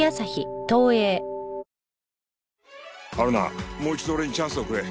はるなもう一度俺にチャンスをくれ。